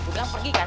gue bilang pergi kan